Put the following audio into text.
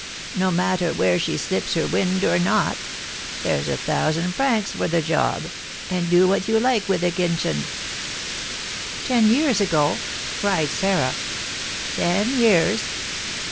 No matter whether she slips her wind or not. There's a thousand francs for the job, and do what you like with the 'kinchin.'" "Ten years ago?" cried Sarah. "Ten years."